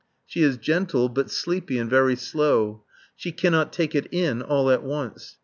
She is gentle but sleepy and very slow. She cannot take it in all at once.